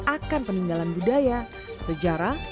akan peninggalan budaya sejarah